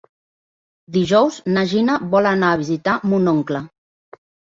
Dijous na Gina vol anar a visitar mon oncle.